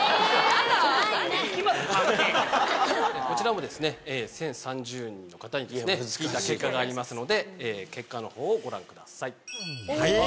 こちらも１０３０人の方に聞いた結果がありますので結果のほうをご覧ください。え！